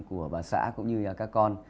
của bà xã cũng như các con